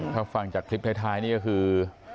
ถ้าฟังจากคลิปท้ายนี่ก็คือ